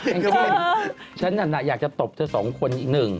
แองจินฉันอยากจะตบเธอ๒คนอีกหนึ่ง